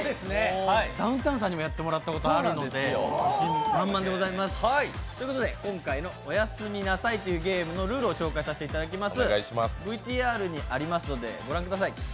ダウンタウンさんにもやってもらったことあるので、自信満々でございます。ということで、今回の「おやすみなさい」というゲームのルールを紹介させていただきます。